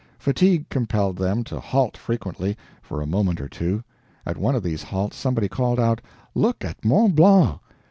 Fatigue compelled them to halt frequently, for a moment or two. At one of these halts somebody called out, "Look at Mont Blanc!"